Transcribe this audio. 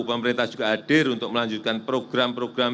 pemerintah juga hadir untuk melanjutkan program program